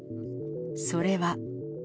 それは。